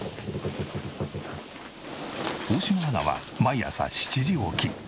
大島アナは毎朝７時起き。